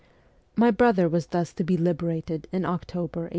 My brother was thus to be liberated in October 1886.